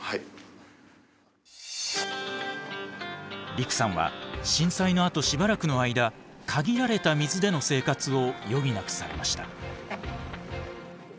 陸さんは震災のあとしばらくの間限られた水での生活を余儀なくされました。